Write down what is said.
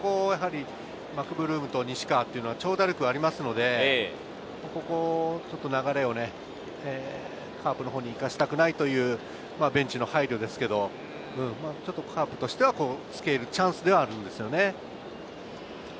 マクブルームと西川は長打力がありますので、ちょっと流れをね、カープのほうに行かせたくないというベンチの配慮があるんですけれど、カープとしてはつけ入るチャンスではあるんですよね。